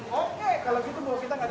oke kalau gitu kita gak ada masalah